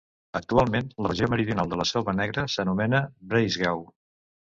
Actualment, la regió meridional de la Selva Negra s'anomena Breisgau.